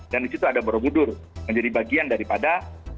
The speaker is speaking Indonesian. dan di situ ada borobudur menjadi bagian daripada